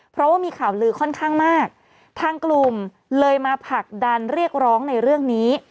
เพราะว่ามีข่าวลือค่อนข้างมากทางกลุ่มเลยมาผลักดันเรียกร้องในเรื่องนี้